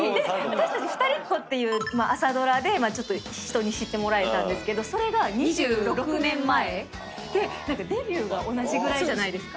私たち『ふたりっ子』っていう朝ドラで人に知ってもらえたんですけどそれが２６年前。でデビューが同じぐらいじゃないですか。